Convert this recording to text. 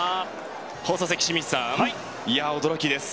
放送席、清水さん、驚きです。